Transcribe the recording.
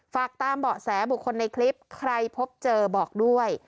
ฝากตามเบาะแสบุคคลในคลิปใครพบเจอบอกด้วย